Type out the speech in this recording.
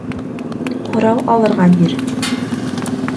Һорау алырға бир!